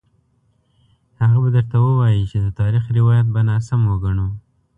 هغه به درته ووايي چې د تاریخ روایت به ناسم وګڼو.